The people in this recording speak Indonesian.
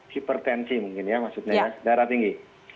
hipertensi mungkin ya maksudnya ya darah tinggi